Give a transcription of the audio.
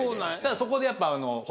そこでやっぱ。